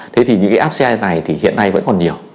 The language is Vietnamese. thế thì những cái áp xe này thì hiện nay vẫn còn nhiều